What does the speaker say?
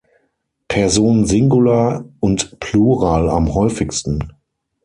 Person Singular und Plural am häufigsten.